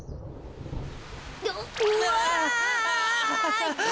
うわ！